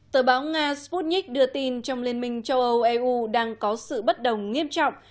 tờ báo nga sputnik đưa tin trong liên minh châu âu eu đang có sự bất đồng nghiêm trọng